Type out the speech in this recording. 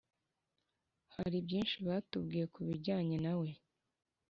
Hari byinshi batubwiye kubijyanye nawe